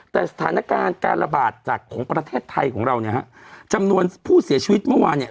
แต่สถานการณ์การระบาดจากของประเทศไทยของเราเนี่ยฮะจำนวนผู้เสียชีวิตเมื่อวานเนี่ย